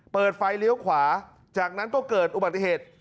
เปิดไฟเลี้ยวขวาจากนั้นก็เกิดอุบัติเหตุ